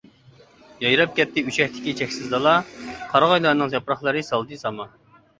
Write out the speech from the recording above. يايراپ كەتتى ئۈچەكتىكى چەكسىز دالا، قارىغايلارنىڭ ياپراقلىرى سالدى ساما.